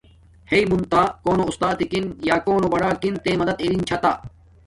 ہݵ مونتا کونو استاتکݣ یا کونو بڑاکنݣ تے مدد ارنݣ چھا تہ؟